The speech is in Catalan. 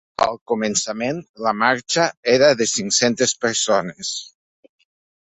Al començament, la marxa era de cinc-centes persones.